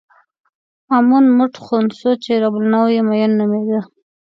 امون موټ خونسو چې رب النوع یې مېن نومېده.